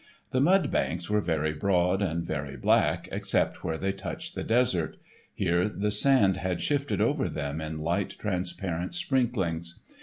The mud banks were very broad and very black except where they touched the desert; here the sand had sifted over them in light transparent sprinklings.